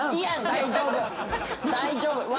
大丈夫！